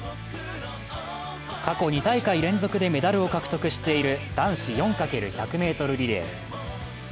過去２大会連続でメダルを獲得している男子４×１００ｍリレー。